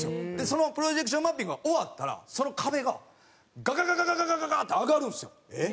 そのプロジェクションマッピングが終わったらその壁がガガガガガガガガッて上がるんですよ。